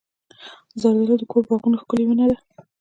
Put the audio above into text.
زردالو د کور باغونو ښکلې ونه ده.